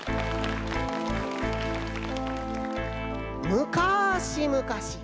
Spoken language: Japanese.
むかしむかし